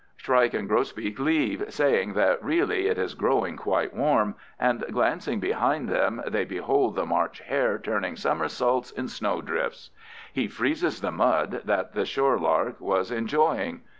Shrike and grosbeak leave, saying that really it is growing quite warm, and, glancing behind them, they behold the March hare turning somersaults in snowdrifts. He freezes the mud that the shore lark was enjoying.